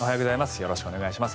よろしくお願いします。